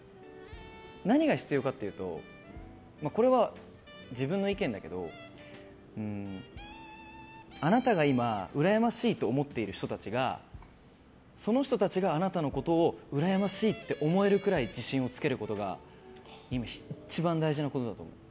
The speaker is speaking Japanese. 何が必要かっていうとこれは自分の意見だけどあなたが今、うらやましいと思っている人たちがその人たちがあなたのことをうらやましいって思えるくらい自信をつけることが今一番大事なことだと思う。